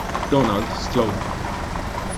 Donald Sloan